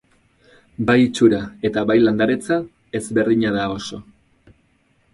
Bai itxura eta bai landaretza ezberdina da oso.